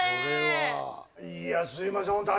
いやすいませんホント。